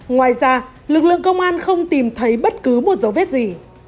ngoài ra lực lượng công an không tìm thấy bất cứ một dấu vết gì